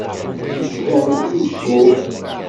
Yettban-d d ameckuk.